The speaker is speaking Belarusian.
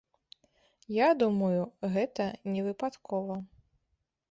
Я думаю, гэта не выпадкова.